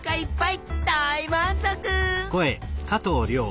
大満足！